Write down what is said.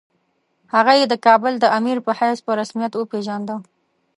هغه یې د کابل د امیر په حیث په رسمیت وپېژانده.